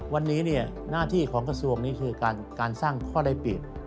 วันนี้หน้าที่ของกระทรวงนี้คือการสร้างข้อได้เปรียบ